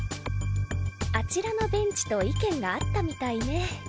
あちらのベンチと意見が合ったみたいね。